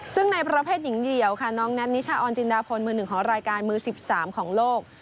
ซึ่งในประเภทหญิงเดี่ยวค่ะน้องแท็ตนิชาออนจินดาพลมือหนึ่งของรายการมือ๑๓ของโลก